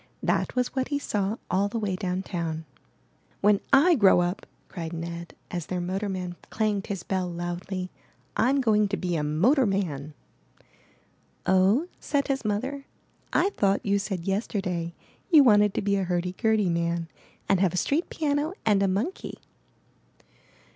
That was what he saw all the way down town. '*When I grow up,'' cried Ned as their motorman 397 MY BOOK HOUSE clanged his bell loudly, 'Tm going to be a motor man!" *'0h," said his mother, "I thought you said yes terday you wanted to be a hurdy gurdy man and have a street piano and a monkey."